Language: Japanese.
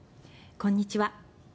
こんにちは。